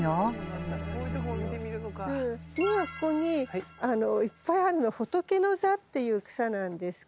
今ここにいっぱいあるのホトケノザっていう草なんですけど。